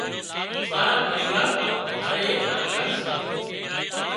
امارا پريوار مان هرايڪ نا گھر سي